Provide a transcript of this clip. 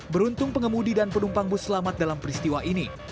beruntung pengemudi dan penumpang bus selamat dalam peristiwa ini